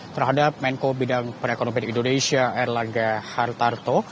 terhadap menko bidang perekonomian indonesia erlangga hartarto